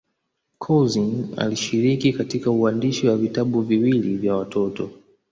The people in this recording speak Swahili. Couzyn alishiriki katika uandishi wa vitabu viwili vya watoto.